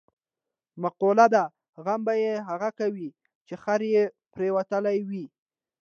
مقوله ده: غم به یې هغه کوي، چې خر یې پرېوتلی وي.